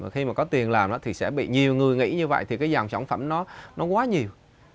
khi mà có tiền làm thì sẽ bị nhiều người nghĩ như vậy thì cái dòng sản phẩm nó quá nhiều